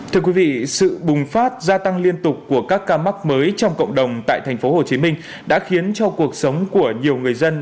thưa quý vị sự bùng phát gia tăng liên tục của các ca mắc mới trong cộng đồng tại tp hcm đã khiến cho cuộc sống của nhiều người dân